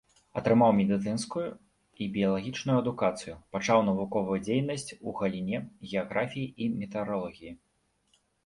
Атрымаў медыцынскую і біялагічную адукацыю, пачаў навуковую дзейнасць у галіне геаграфіі і метэаралогіі.